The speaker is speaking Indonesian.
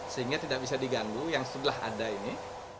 sehingga tidak bisa diganggu yang sebelah ada ini